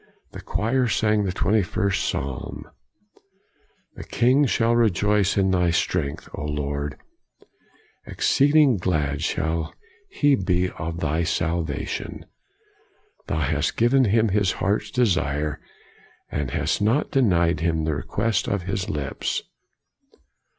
The choir sang the twenty first psalm: " The king shall rejoice in thy strength, O Lord; exceeding glad shall he be of thy salvation. Thou hast given him his heart's desire, and hast not denied him the request of his lips.